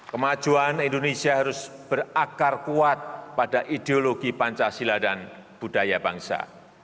kemajuan indonesia harus berakar kuat pada ideologi pancasila dan budaya bangsa